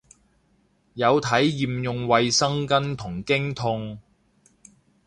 有體驗用衛生巾同經痛